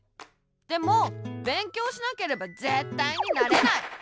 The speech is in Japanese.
でもべんきょうしなければぜったいになれない！